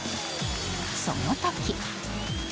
その時。